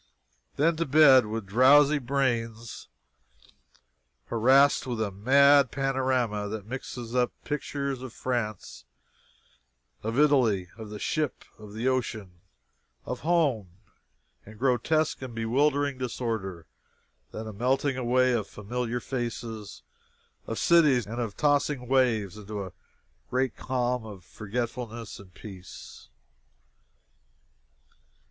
Then to bed, with drowsy brains harassed with a mad panorama that mixes up pictures of France, of Italy, of the ship, of the ocean, of home, in grotesque and bewildering disorder. Then a melting away of familiar faces, of cities, and of tossing waves, into a great calm of forgetfulness and peace.